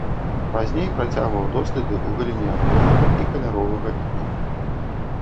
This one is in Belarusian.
Пазней працягваў доследы ў галіне аб'ёмнага і каляровага кіно.